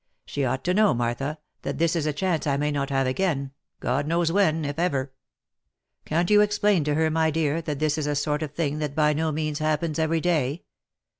She ought to know, Martha that this is a chance I may not have again, God knows when, if ever. Can't you explain to her, my dear, that this is a sort of thing that by no means happens every day.